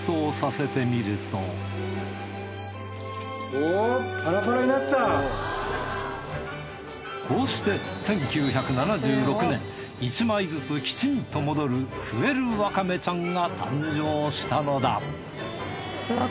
そこでこうして１９７６年１枚ずつきちんと戻るふえるわかめちゃんが誕生したのだうわっ